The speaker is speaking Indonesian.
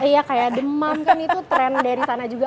iya kayak demam kan itu tren dari sana juga